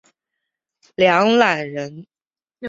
梁览人。